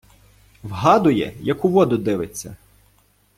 Вгадує, як у воду дивиться.